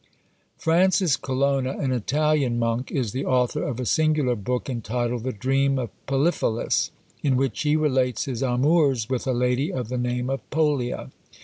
Francis Colonna, an Italian Monk, is the author of a singular book entitled "The Dream of Poliphilus," in which he relates his amours with a lady of the name of Polia.